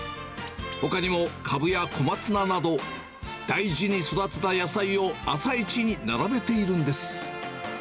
ほかにも、カブや小松菜など、大事に育てた野菜を朝一に並べているんです。